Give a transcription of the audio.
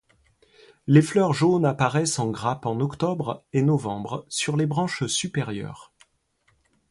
Les fleurs jaunes apparaissent en grappes en octobre et novembre sur les branches supérieures.